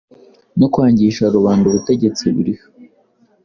no kwangisha rubanda ubutegetsi buriho.